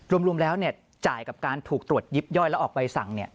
รวมแล้วจ่ายกับการถูกตรวจยิบย่อยแล้วออกใบสั่ง